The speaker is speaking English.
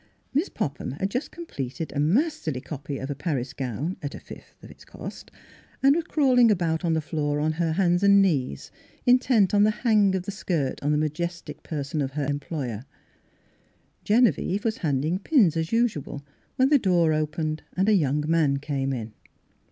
Miss Popham had just completed a mas terly copy of a Paris gown (at a fifth of Miss Fhilura's Wedding Gown its cost) and was crawling about the floor on her hands and knees, intent on the " hang " of the skirt on the majestic per son of her employer. Genevieve was handing pins, as usual, when the door opened and a young m.an came in.